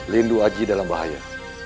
lindu aji dalam bahaya